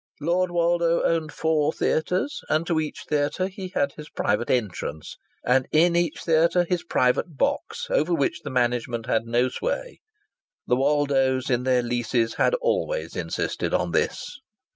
Lord Woldo owned four theatres, and to each theatre he had his private entrance and in each theatre his private box, over which the management had no sway. The Woldos in their leases had always insisted on this.